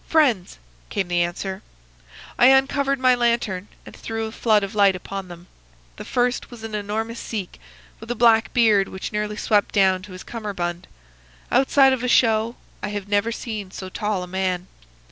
"'Friends,' came the answer. I uncovered my lantern and threw a flood of light upon them. The first was an enormous Sikh, with a black beard which swept nearly down to his cummerbund. Outside of a show I have never seen so tall a man.